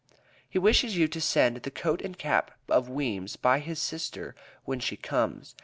He wishes you to send the coat and cap of Weems by his sister when she comes.